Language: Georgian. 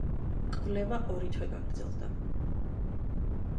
კვლევა ორი თვე გაგრძელდა.